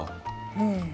うん。